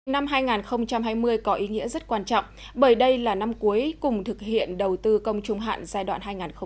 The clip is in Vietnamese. năm hai nghìn hai mươi có ý nghĩa rất quan trọng bởi đây là năm cuối cùng thực hiện đầu tư công trung hạn giai đoạn hai nghìn một mươi sáu hai nghìn hai mươi